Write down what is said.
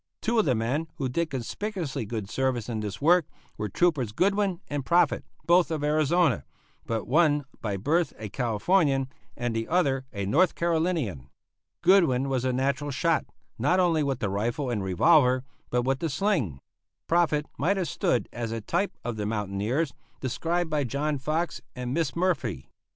Two of the men who did conspicuously good service in this work were Troopers Goodwin and Proffit, both of Arizona, but one by birth a Californian and the other a North Carolinian. Goodwin was a natural shot, not only with the rifle and revolver, but with the sling. Proffit might have stood as a type of the mountaineers described by John Fox and Miss Murfree.